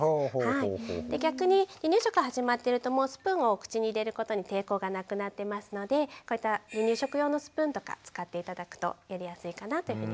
逆に離乳食が始まってるともうスプーンを口に入れることに抵抗がなくなってますのでこういった離乳食用のスプーンとか使って頂くとやりやすいかなというふうに思います。